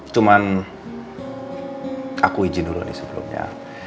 cuman aku izin dulu dari sebelumnya